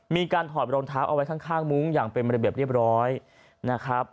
มีการถอดรถาออกไว้ทางมุ้งอย่างเป็นบรรยะเปรียบนี้